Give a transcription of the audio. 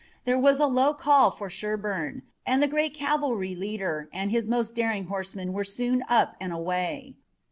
There was a low call for Sherburne, and the great cavalry leader and his most daring horsemen were soon up and away.